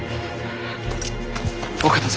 お方様。